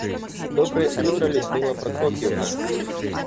Доброе утро, Людмила Прокофьевна.